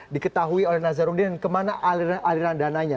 diketahui oleh nazaruddin dan kemana aliran aliran dananya